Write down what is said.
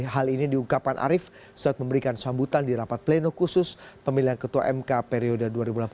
hal ini diungkapkan arief saat memberikan sambutan di rapat pleno khusus pemilihan ketua mk periode dua ribu delapan belas dua ribu dua